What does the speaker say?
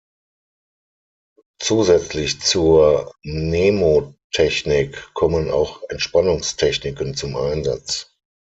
Zusätzlich zur Mnemotechnik kommen auch Entspannungstechniken zum Einsatz.